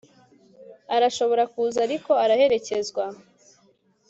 arashobora kuza ariko araherekezwa